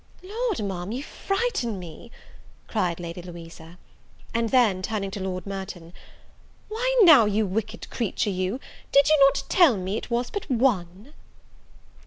"Lord, Ma'am, you frighten me!" cried Lady Louisa; and then, turning to Lord Merton, "why now, you wicked creature you, did you not tell me it was but one?"